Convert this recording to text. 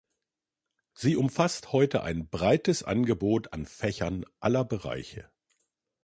Sie umfasst heute ein breites Angebot an Fächern aller Bereiche.